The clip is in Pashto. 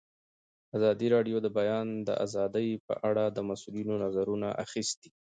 ازادي راډیو د د بیان آزادي په اړه د مسؤلینو نظرونه اخیستي.